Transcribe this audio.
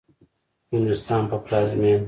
د هندوستان په پلازمېنه